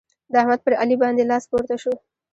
د احمد پر علي باندې لاس پورته شو.